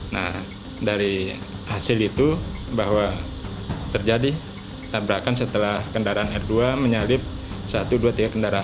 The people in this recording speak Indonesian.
nah dari hasil itu bahwa terjadi tabrakan setelah kendaraan r dua menyalip satu dua tiga kendaraan setelah itu langsung datang dari hal berlawanan yaitu kendaraan r empat